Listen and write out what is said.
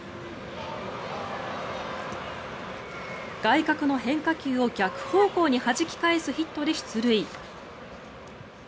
外角の変化球を逆方向にはじき返すヒットで出塁。